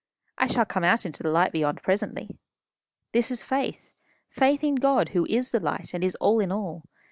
I shall come out into the light beyond presently.' This is faith faith in God, who is the light, and is all in all.